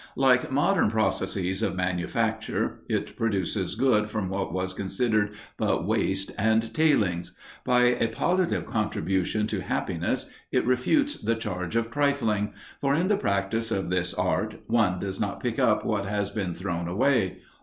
Like modern processes of manufacture it produces good from what was considered but waste and tailings. By a positive contribution to happiness it refutes the charge of trifling, for in the practice of this art one does but pick up what has been thrown away.